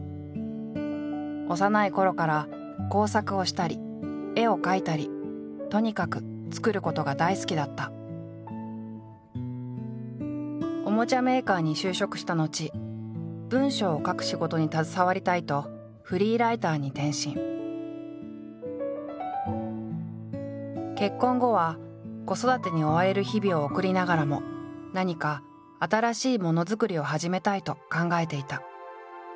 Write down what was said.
幼いころから工作をしたり絵を描いたりとにかくおもちゃメーカーに就職した後文章を書く仕事に携わりたいと結婚後は子育てに追われる日々を送りながらも何か新しいモノづくりを始めたいと考えていた。